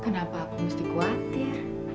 kenapa aku mesti khawatir